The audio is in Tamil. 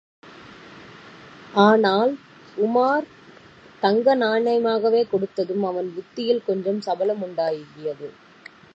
ஆனால், உமார் தங்க நாணயமாகவே கொடுத்ததும் அவன் புத்தியில் கொஞ்சம் சபலமுண்டாகியது.